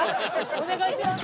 お願いします。